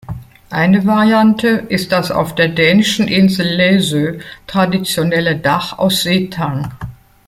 Eine Variante ist das auf der dänischen Insel Læsø traditionelle Dach aus Seetang.